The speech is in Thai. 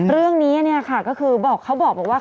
เรื่องนี้เนี่ยค่ะก็คือเขาบอกว่า